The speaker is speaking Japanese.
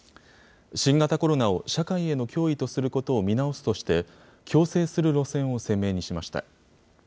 新型コロナを社会への脅威とすることを見直すとして、共生する路線を鮮明にしました。